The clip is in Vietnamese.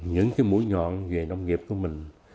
những cái mũi nhọn về nông nghiệp của mình